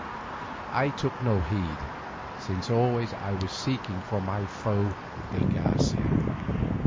I took no heed, since always I was seeking for my foe de Garcia.